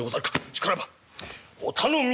しからばお頼み申す」。